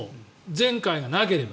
前回がなければ。